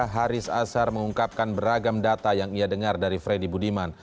haris azhar mengungkapkan beragam data yang ia dengar dari freddy budiman